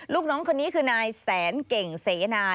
ลูกน้องคนนี้คือนายแสนเก่งเสนา